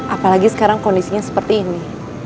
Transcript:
apalagi sekarang kondisinya seperti ini